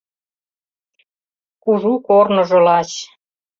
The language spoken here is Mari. Кужу корныжо лач.